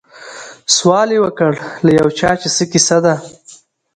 سوال یې وکړ له یو چا چي څه کیسه ده